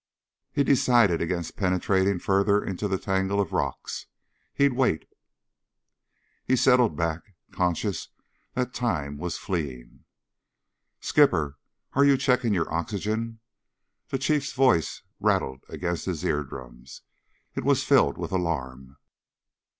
He decided against penetrating further into the tangle of rocks. He'd wait. He settled back, conscious that time was fleeing. "Skipper, are you checking your oxygen?" The Chief's voice rattled against his eardrums. It was filled with alarm.